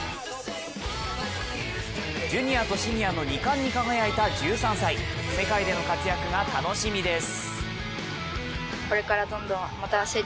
ジュニアとシニアの２冠に輝いた１３歳、世界での活躍が楽しみです。